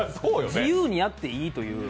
自由にやっていいという。